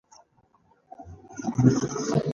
ګاز د افغانستان د کلتوري میراث برخه ده.